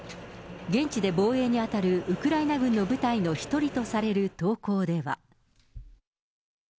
現地で防衛に当たるウクライナ軍の部隊の一人とされる投稿では。